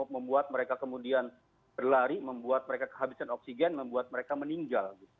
membuat mereka kemudian berlari membuat mereka kehabisan oksigen membuat mereka meninggal